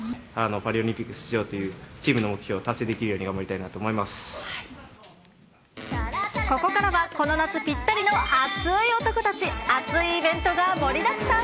パリオリンピック出場というチームの目標を達成できるように、ここからはこの夏ぴったりの熱ーい男たち、熱いイベントが盛りだくさん。